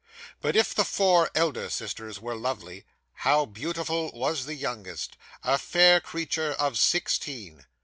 'But, if the four elder sisters were lovely, how beautiful was the youngest, a fair creature of sixteen!